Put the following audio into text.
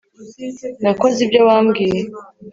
nakoze ibyo wambwiye